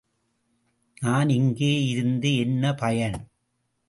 நான் இங்கே இருந்து என்ன பயன்?